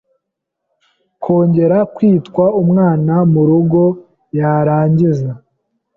kongera kwitwa umwana mu rugo yarangiza